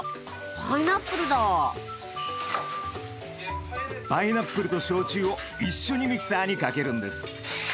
パイナップルだパイナップルと焼酎を一緒にミキサーにかけるんです。